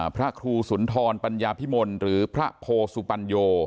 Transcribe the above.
พระครูสุนทรภายละภิมนธ์หรือพระโภเเซวบันโย